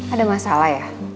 ada masalah ya